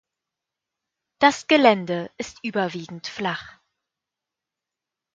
Das Gelände ist überwiegend flach.